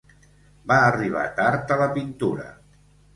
Va arribar tard a la pintura.